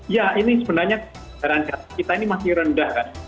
ya ini sebenarnya kendaraan kita ini masih rendah kan